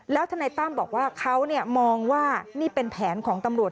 แล้วทนายตั้มบอกว่าเขามองว่านี่เป็นแผนของตำรวจ